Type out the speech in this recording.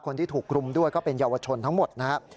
คนที่ถูกกลุ่มด้วยก็เป็นเยาวชนทั้งหมดนะครับ